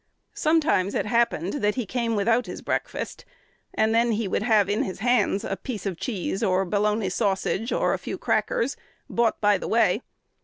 Sometimes it happened that he came without his breakfast; and then he would have in his hands a piece of cheese, or Bologna sausage, and a few crackers, bought by the way.